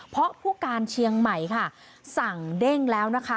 เพราะผู้การเชียงใหม่ค่ะสั่งเด้งแล้วนะคะ